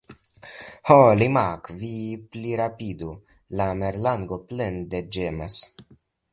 "Ho, Limak', vi plirapidu!" la merlango plende ĝemas.